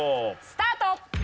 スタート！